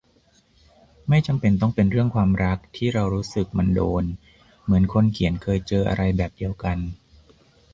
ไม่จำเป็นต้องเป็นเรื่องความรัก ที่เรารู้สึกมันโดน เหมือนคนเขียนเคยเจออะไรแบบเดียวกัน